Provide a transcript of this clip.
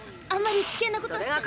あんまり危険なことは。